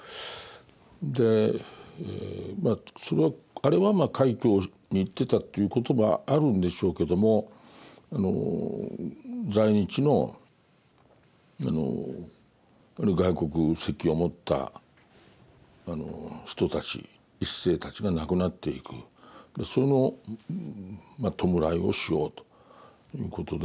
あれはまあ開教に行ってたということもあるんでしょうけども在日のある外国籍を持った人たち一世たちが亡くなっていくその弔いをしようということで。